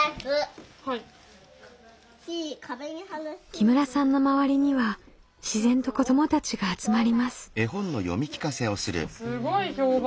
木村さんの周りには自然と子どもたちが集まります。